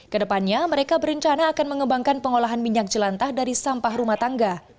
kedepannya mereka berencana akan mengembangkan pengolahan minyak jelantah dari sampah rumah tangga